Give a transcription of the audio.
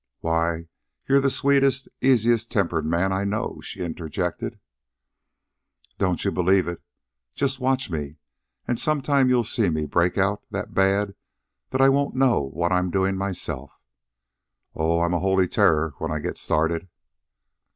"Why, you're the sweetest, easiest tempered man I know," she interjected. "Don't you believe it. Just watch me, and sometime you'll see me break out that bad that I won't know what I'm doin' myself. Oh, I'm a holy terror when I get started!"